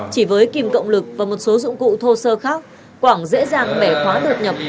chỉ với kìm cộng lực và một số dụng cụ thô sơ khác quảng dễ dàng mẻ khóa đột nhập